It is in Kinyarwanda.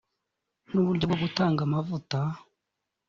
n uburyo bwo gutanga amavuta